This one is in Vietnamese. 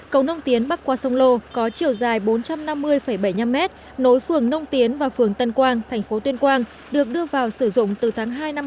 cầu nông tiến bắc qua sông lô có chiều dài bốn trăm năm mươi bảy mươi năm m nối phường nông tiến và phường tân quang thành phố tuyên quang được đưa vào sử dụng từ tháng hai năm một nghìn chín trăm chín mươi năm